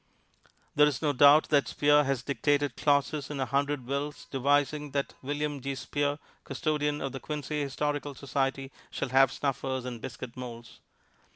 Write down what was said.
There is no doubt that Spear has dictated clauses in a hundred wills devising that William G. Spear, Custodian of the Quincy Historical Society, shall have snuffers and biscuit molds.